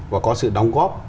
và có sự đóng góp